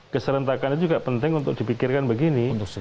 keserentakan itu juga penting untuk dipikirkan begini